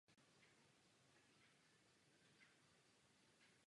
Někteří jedinci mohou být zbarveni oranžově.